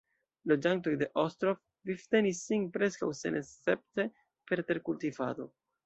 Loĝantoj de Ostrov vivtenis sin preskaŭ senescepte per terkultivado.